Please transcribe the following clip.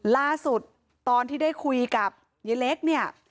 ล่าสุดตอนที่ได้คุยกับยายเล็กเนี่ย